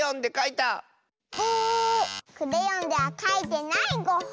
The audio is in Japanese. クレヨンではかいてないゴッホ。